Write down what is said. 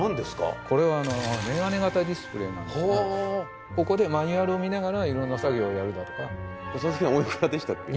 これはメガネ型ディスプレイなんですがここでマニュアルを見ながらいろんな作業をやるだとか。おいくらでしたっけ？